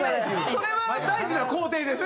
それは大事な工程ですね